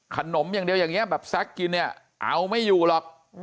ขนมอย่างเดียวอย่างนี้แบบแซ็กกินเนี่ยเอาไม่อยู่หรอก